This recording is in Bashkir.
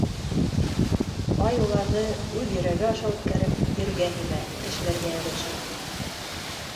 Ай уларҙы, үҙ йөрәге аша үткәреп, ергә һибә, кешеләргә өләшә.